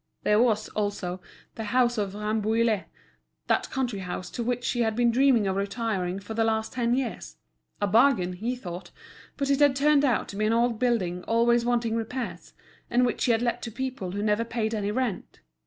There was, also, the house at Rambouillet, that country house to which he had been dreaming of retiring for the last ten years—a bargain, he thought; but it had turned out to be an old building always wanting repairs, and which he had let to people who never paid any rent.